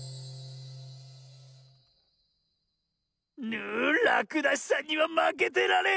ぬらくだしさんにはまけてられん！